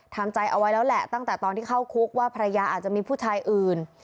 ทำใจเอาไว้แล้วแหละตั้งแต่ตอนที่เข้าคุกว่าภรรยาอาจจะมีผู้ชายอื่น